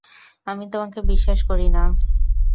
আমি তোমাকে বিশ্বাস করি না।